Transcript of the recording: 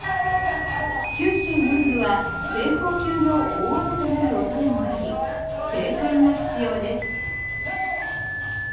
九州南部は警報級の大雨となる恐れもあり警戒が必要です。